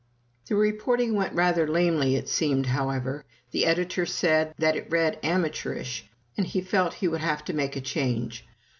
The reporting went rather lamely it seemed, however. The editor said that it read amateurish, and he felt he would have to make a change.